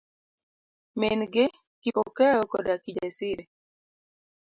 Min gi, Kipokeo koda Kijasiri.